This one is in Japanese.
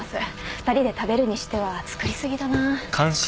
２人で食べるにしては作り過ぎだな。